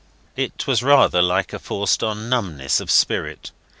It was rather like a forced on numbness of spirit.